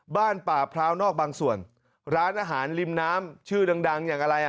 บ้านป่าพร้าวนอกบางส่วนร้านอาหารริมน้ำชื่อดังดังอย่างอะไรอ่ะ